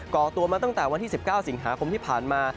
ก่อตัวมาตั้งแต่วันที่๑๙สิงหาคมที่ผ่านมา